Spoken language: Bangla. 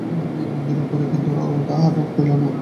বিন্দুর উপরে কিন্তু তাহার রাগ হইল না।